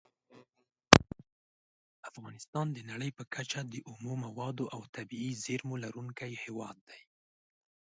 افغانستان د نړۍ په کچه د اومو موادو او طبیعي زېرمو لرونکی هیواد دی.